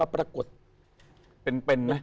เป็น